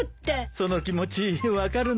その気持ち分かるなあ。